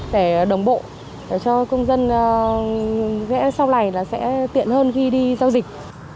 để cho công dân sau này sẽ tiện hơn khi đi giao dịch